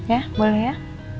ya boleh ya